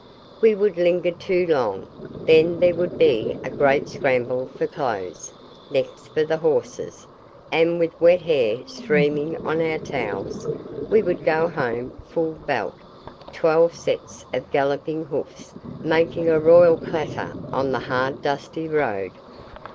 We would linger too long, then there would be a great scramble for clothes, next for horses, and with wet hair streaming on our towels, we would go home full belt, twelve sets of galloping hoofs making a royal clatter on the hard dusty road.